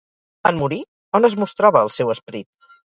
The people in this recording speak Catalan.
En morir, on es mostrava el seu esperit?